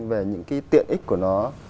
về những cái tiện ích của nó